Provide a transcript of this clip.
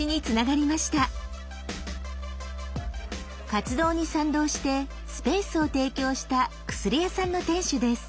活動に賛同してスペースを提供した薬屋さんの店主です。